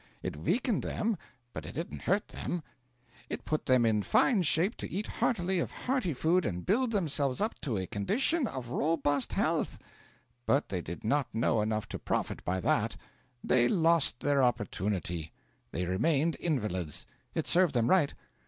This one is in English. It weakened them, but it didn't hurt them. It put them in fine shape to eat heartily of hearty food and build themselves up to a condition of robust health. But they did not know enough to profit by that; they lost their opportunity; they remained invalids; it served them right.